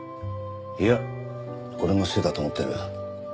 いや俺のせいだと思ってる。